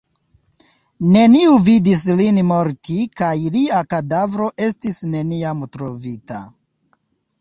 Neniu vidis lin morti kaj lia kadavro estis neniam trovita.